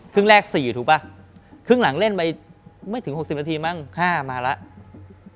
ครึ่งแรก๔ถูกป่ะครึ่งหลังเล่นไปไม่ถึง๖๐นาทีมั้ง๕มาแล้ว